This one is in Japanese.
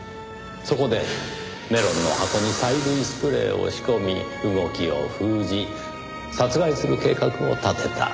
そこでメロンの箱に催涙スプレーを仕込み動きを封じ殺害する計画を立てた。